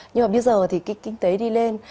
nhưng mà bây giờ thì kinh tế đi lên